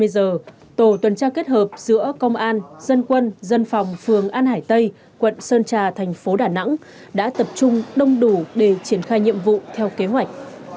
hai mươi giờ tổ tuần tra kết hợp giữa công an dân quân dân phòng phường an hải tây quận sơn trà thành phố đà nẵng đã tập trung đông đủ để triển khai nhiệm vụ theo kế hoạch